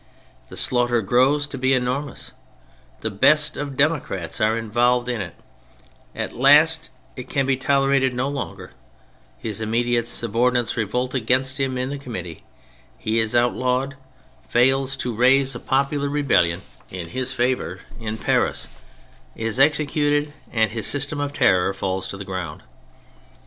The slaughter grows to be enormous; the best of Democrats are involved in it ; at last it can be tolerated no longer, his immediate subordi nates re olt against him in the Committee, he is outlawed, fails to raise a popular rebellion THE CHARACTERS 79 in his favour in Paris, is executed, and liis system of terror falls to the ground.